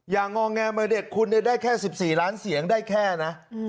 งอแงมือเด็กคุณได้แค่๑๔ล้านเสียงได้แค่นะ